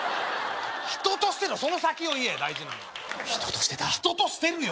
人としてのその先を言え大事なのは人としてだ人としてるよ